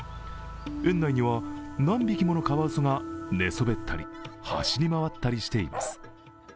園内には何匹ものカワウソが寝そべったり走り回ったりしています。